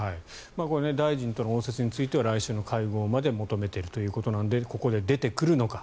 大臣との応接については来週の会合で求めているということなのでここで出てくるのか。